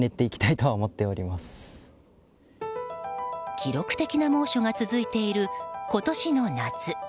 記録的な猛暑が続いている今年の夏。